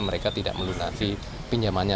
mereka tidak melunasi pinjamannya